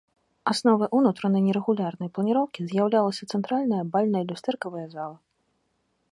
Асновай унутранай нерэгулярнай планіроўкі з'яўлялася цэнтральная бальная люстэркавая зала.